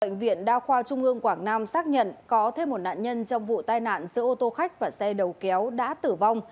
bệnh viện đa khoa trung ương quảng nam xác nhận có thêm một nạn nhân trong vụ tai nạn giữa ô tô khách và xe đầu kéo đã tử vong